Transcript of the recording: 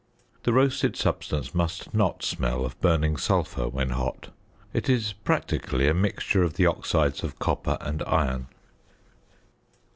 The roasted substance must not smell of burning sulphur when hot. It is practically a mixture of the oxides of copper and iron.